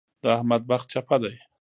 د احمد بخت چپه دی.